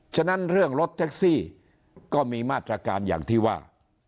ฉะนั้นเรื่องรถแท็กซี่ก็มีมาตรการอย่างที่ว่า